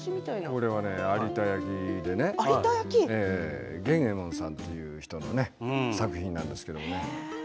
これは有田焼でげんえもんさんという人の作品なんですけれどもね。